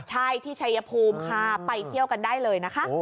ใช่ที่ชัยภูมิค่ะไปเที่ยวกันได้เลยนะคะ